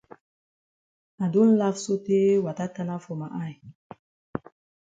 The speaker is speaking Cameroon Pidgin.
I don laf sotay wata tanap for ma eye.